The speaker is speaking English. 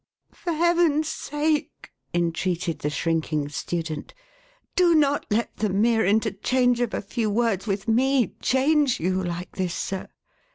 11 " For Heaven^ sake,11 entreated the shrinking student, " do not let the mere interchange of a few words with me change you like this, sir